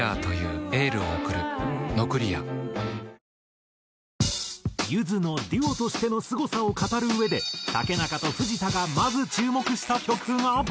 わかるぞゆずのデュオとしてのすごさを語るうえで竹中と藤田がまず注目した曲が。